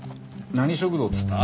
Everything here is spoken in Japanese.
何食堂っつった？